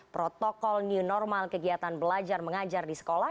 protokol new normal kegiatan belajar mengajar di sekolah